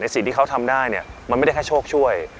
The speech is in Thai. สิ่งที่เขาทำได้เนี่ยมันไม่ได้แค่โชคช่วย